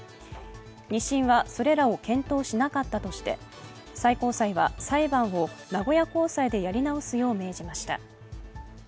２審は、それらを検討しなかったとして、最高裁は裁判を名古屋高裁でやり直すよう命じました。